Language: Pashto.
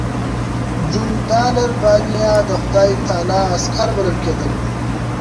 جنودالربانیه د خدای تعالی عسکر بلل کېدل.